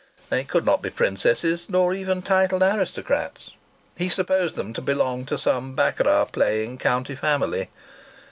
They could not be princesses, nor even titled aristocrats. He supposed them to belong to some baccarat playing county family.